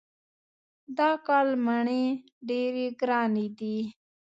دا کال مڼې ډېرې ګرانې دي.